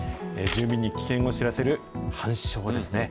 住民に危険を知らせる半鐘ですね。